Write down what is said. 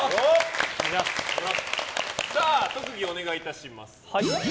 特技をお願いいたします。